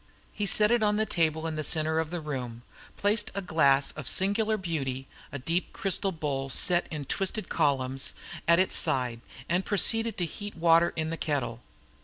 He set it on the table in the centre of the room, placed a glass of singular beauty a deep crystal bowl set in twisted columns at its side, and proceeded to heat water in a kettle.